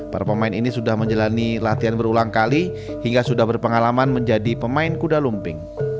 para pemain ini sudah menjalani latihan berulang kali hingga sudah berpengalaman menjadi pemain kuda lumping